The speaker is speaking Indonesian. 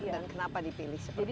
dan kenapa dipilih seperti ini